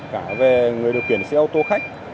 cả về người điều kiển xe ô tô khách